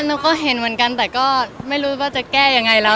หนูก็เห็นเหมือนกันแต่ก็ไม่รู้ว่าจะแก้ยังไงแล้ว